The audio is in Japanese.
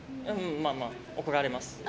まあまあ怒られます。